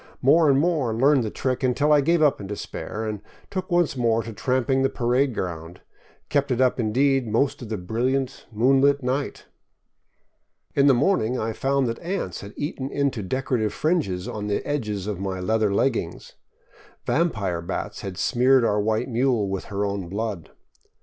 More and more learned the trick, until I gave up in despair and took once more to tramping the parade ground ; kept it up, indeed, most of the brilliant, moonlit night. In the morning I found that ants had eaten into decorative fringes the edges of my leather leggings. Vampire bats had smeared our white mule with her own blood.